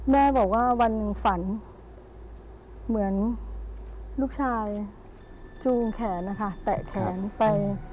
แม่บอกว่าวันฝันเหมือนลูกชายจูงแขนแตะแขนไป